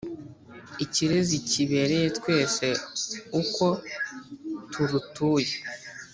ikirezi kibereye twese uko turutuye.